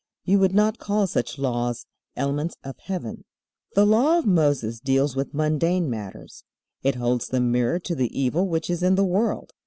You would not call such laws elements of heaven. The Law of Moses deals with mundane matters. It holds the mirror to the evil which is in the world.